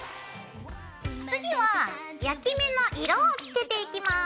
次は焼き目の色をつけていきます。